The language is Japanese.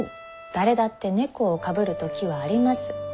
誰だって猫をかぶる時はあります。